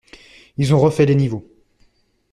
Ils ont refait les niveaux.